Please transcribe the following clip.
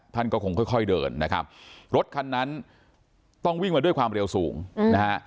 ท่านก็คงค่อยเดินนะครับรถคันนั้นต้องวิ่งมาด้วยความเร็วสูงนะฮะ